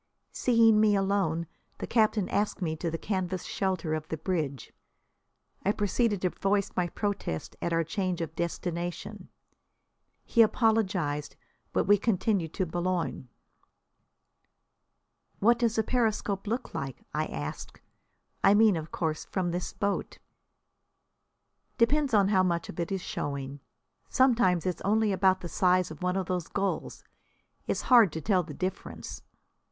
Seeing me alone the captain asked me to the canvas shelter of the bridge. I proceeded to voice my protest at our change of destination. He apologised, but we continued to Boulogne. "What does a periscope look like?" I asked. "I mean, of course, from this boat?" "Depends on how much of it is showing. Sometimes it's only about the size of one of those gulls. It's hard to tell the difference."